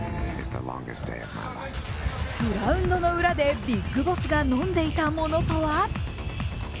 グラウンドの裏でビッグボスが飲んでいたものとは？